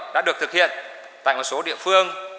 đã được thực hiện tại một số địa phương